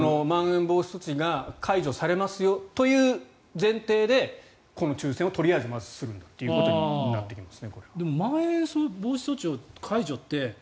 まん延防止措置が解除されますよという前提でこの抽選をまずするんだということになりますね。